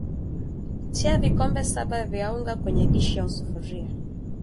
Tia vikombe saba vya unga kwenye dishi au sufuria